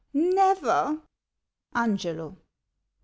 Never ! Angela.